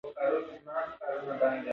د واک حدود باید مراعت شي.